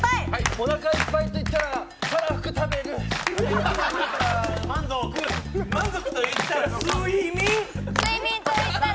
おなかいっぱいといったら、たらふく食べる満足と言ったら睡眠。